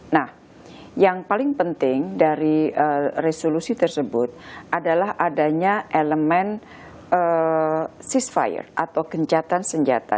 nah yang paling penting dari resolusi tersebut adalah adanya elemen sis fire atau gencatan senjata